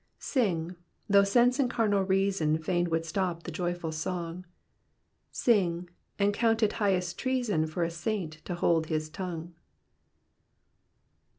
'* SlDor, though sense and carnal reason Fain would stop the joyful song : Sine, and count It highest treason For a saint to hola his tongue.''